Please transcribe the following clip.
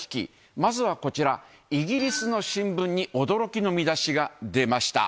まずはこちら、イギリスの新聞に驚きの見出しが出ました。